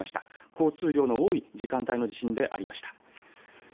交通量の多い時間帯の地震でありました。